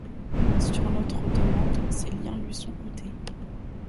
Sur notre demande, ses liens lui sont ôtés.